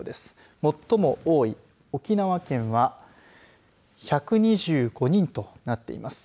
最も多い沖縄県は１２５人となっています。